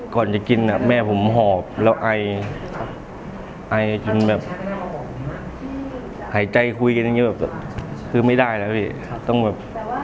ก่อนจะกินแม่ผมหอบแล้วไอไอจนแบบหายใจคุยกันอย่างนี้แบบคือไม่ได้แล้วพี่ต้องแบบ